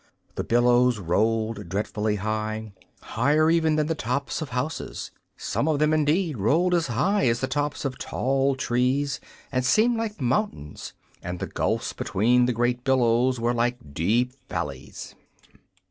The billows rolled dreadfully high: higher even than the tops of houses. Some of them, indeed, rolled as high as the tops of tall trees, and seemed like mountains; and the gulfs between the great billows were like deep valleys.